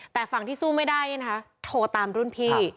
แต่ฝั่งที่สู้ไม่ได้เนี่ยนะคะโทรตามรุ่นพี่